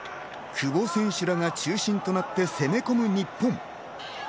久保選手らが中心となって攻め込む日本。